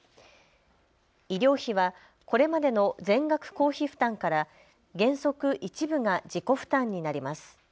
医療費はこれまでの全額公費負担から原則一部が自己負担になります。